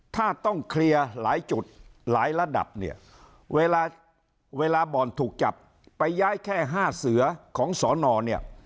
ถ้าต้องเคลียร์หลายจุดหลายระดับเนี่ยเวลาเวลาบ่อนถูกจับไปย้ายแค่๕เสือของสอนอเนี่ย